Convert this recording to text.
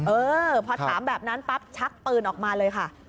เออพอถามแบบนั้นปั๊บชักปืนออกมาเลยค่ะ